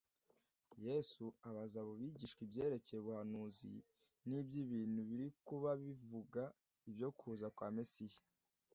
Yesu abaza abo bigisha ibyerekeye ubuhanuzi n'iby'ibintu biri kuba bivuga ibyo kuza kwa Mesiya.